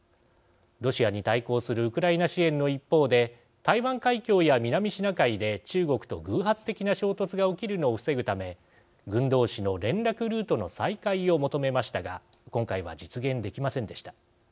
ロシアに対抗するウクライナ支援の一方で台湾海峡や南シナ海で中国と偶発的な衝突が起きるのを防ぐため軍同士の連絡ルートの再開を求めましたが今回は実現できませんでした。